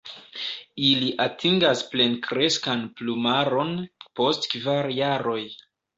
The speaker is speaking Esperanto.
Ili atingas plenkreskan plumaron post kvar jaroj.